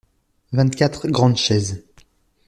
Vingt-quatre grandes chaises.